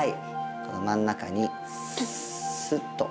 この真ん中にすっと。